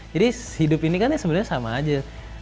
jadi hidup ini kan sebenarnya sama aja